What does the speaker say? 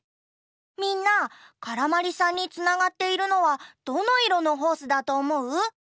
みんなからまりさんにつながっているのはどのいろのホースだとおもう？